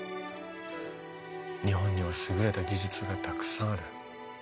日本には優れた技術がたくさんある。